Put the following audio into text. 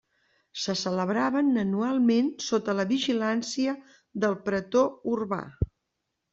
Se celebraven anualment sota la vigilància del pretor urbà.